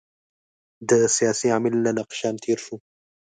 د سیاسي عامل له نقشه تېر شو.